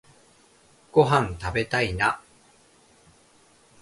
ごはんたべたいな